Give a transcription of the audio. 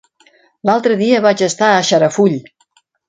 L'altre dia vaig estar a Xarafull.